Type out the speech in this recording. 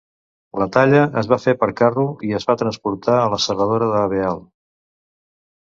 La talla es va fer per carro i es va transportar a la serradora de Veal.